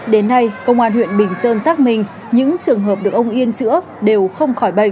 đến nay công an huyện bình sơn xác minh những trường hợp được ông yên chữa đều không khỏi bệnh